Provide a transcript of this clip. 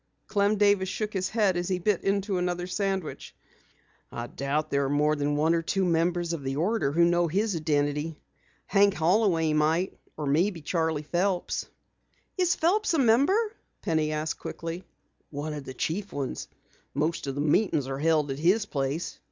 Clem Davis shook his head as he bit into another sandwich. "I doubt there are more than one or two members of the order who know his identity. Hank Holloway might, or maybe Charley Phelps." "Is Phelps a member?" Penny asked quickly. "One of the chief ones. Most of the meetings are held at his place."